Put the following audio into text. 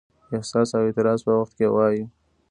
د احساس او اعتراض په وخت یې وایو.